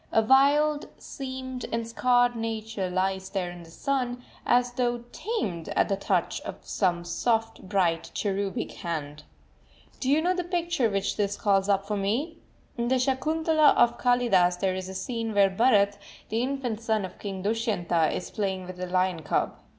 A wild, seamed, and scarred nature lies there in the sun, as though tamed at the touch of some soft, bright, cherubic hand. Do you know the picture which this calls up for me? In the Sakuntala of Kalidas there is a scene where Bharat, the infant son of King Dushyanta, is playing with a lion cub.